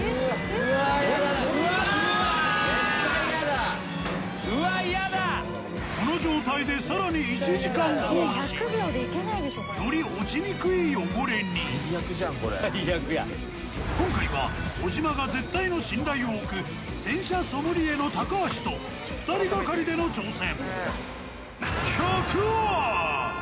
うわっ嫌だこの状態でさらにより落ちにくい汚れに今回は尾島が絶対の信頼をおく洗車ソムリエの高橋と２人がかりでの挑戦